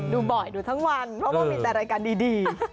ดูบ่อยดูทั้งวันเพราะว่ามีแต่รายการดี